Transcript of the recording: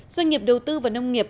doanh nghiệp đầu tư vào nông nghiệp